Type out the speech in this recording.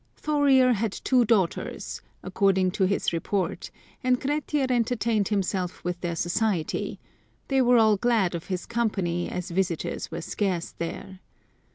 Thorir had two daughters, according to his report, and Grettir entertained himself with their society: they were all glad of his company, as visitors were scarce there.